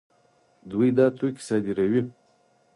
دوی دا توکي صادروي.